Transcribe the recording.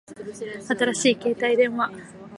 新しい携帯電話